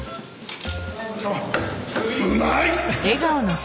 うまい！